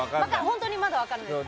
本当にまだ分からないです。